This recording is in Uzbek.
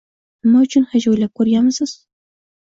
Nima uchun hech o'ylab ko'rganmisiz?